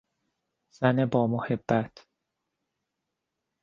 زن با محبت